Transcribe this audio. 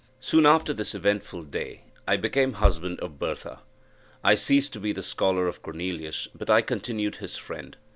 Soon after this eventful day, I became the husband of Bertha. I ceased to be the scholar of Cornelius, but I continued his friend.